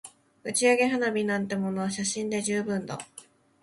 打ち上げ花火なんてものは写真で十分だ